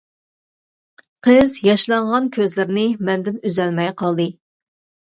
قىز ياشلانغان كۆزلىرىنى مەندىن ئۈزەلمەي قالدى.